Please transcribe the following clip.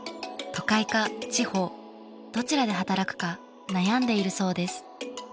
都会か地方どちらで働くか悩んでいるそうです。